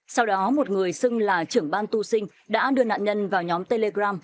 sau đó một người xưng là trưởng ban tu sinh đã đưa nạn nhân vào nhóm telegram